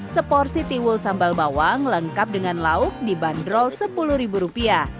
seporsi tiwul sambal bawang lengkap dengan lauk dibanderol rp sepuluh